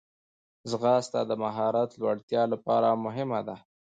ځغاسته د مهارت لوړتیا لپاره مهمه ده